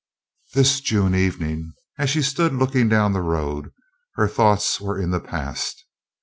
This June evening, as she stood looking down the road, her thoughts were in the past.